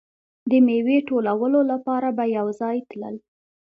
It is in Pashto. د میوې ټولولو لپاره به یو ځای تلل.